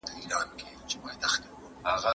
د پاچا بې کفایتي د خلکو ستونزه زیاته کړه.